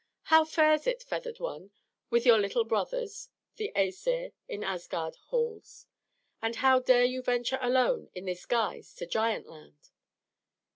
"How fares it, feathered one, with your little brothers, the Æsir, in Asgard halls? And how dare you venture alone in this guise to Giant Land?"